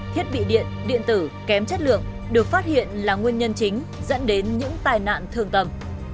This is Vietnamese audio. thiết bị điện điện tử kém chất lượng được phát hiện là nguyên nhân chính dẫn đến những tai nạn thường tầm